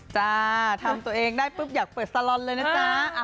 จ้าทำตัวเองได้ปุ๊บอยากเปิดสลอนเลยนะจ๊ะ